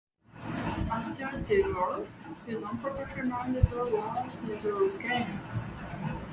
After the war the non-professional level was never regained.